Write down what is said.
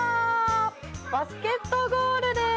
バスケットゴールです！